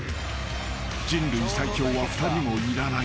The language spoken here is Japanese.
［人類最強は２人もいらない］